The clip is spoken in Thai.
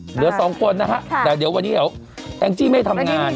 เหลือสองคนนะครับแต่เดี๋ยววันนี้แอ้งจี้ไม่ทำงาน